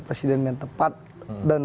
presiden yang tepat dan